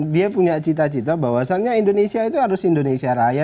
dia punya cita cita bahwasannya indonesia itu harus indonesia raya